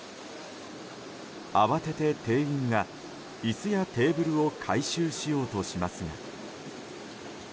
慌てて店員が椅子やテーブルを回収しようとしますが。